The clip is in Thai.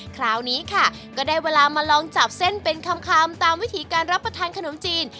คราวนี้ค่ะก็ได้เวลามาลองจับเส้นเป็นคำตามวิธีการรับประทานขนมจีน